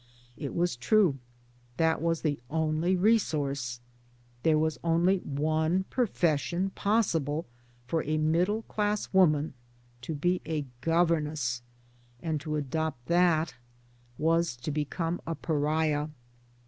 It was true ; that was the only resource. There was only one profession possible for a middle class woman to be a governess and to adopt that was to become a pariah.